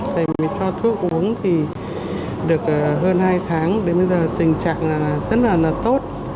thầy mới cho thuốc uống thì được hơn hai tháng đến bây giờ tình trạng rất là tốt